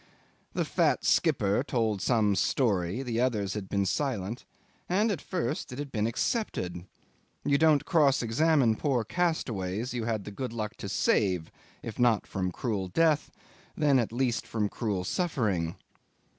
The fat skipper told some story, the others had been silent, and at first it had been accepted. You don't cross examine poor castaways you had the good luck to save, if not from cruel death, then at least from cruel suffering.